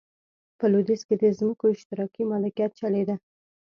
په لوېدیځ کې د ځمکو اشتراکي مالکیت چلېده.